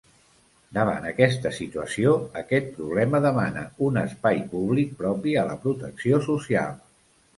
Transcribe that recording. Davant aquesta situació, aquest problema demana un espai públic propi a la protecció social.